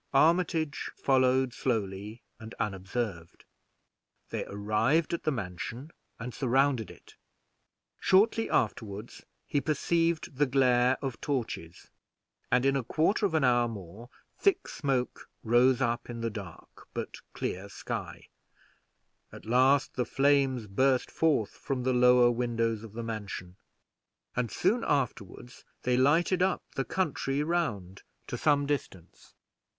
Armitage followed slowly and unobserved. They arrive at the mansion and surrounded it. Shortly afterward he perceived the glare of torches, and in a quarter of an hour more thick smoke rose up in the dark but clear sky; at last the flames burst forth from the lower windows of the mansion, and soon afterward they lighted up the country round to some distance.